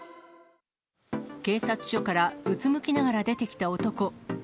警察署からうつむきながら出てきた男。